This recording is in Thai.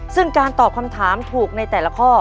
ซึ่งการตอบคำถามถูกในแต่ละข้อ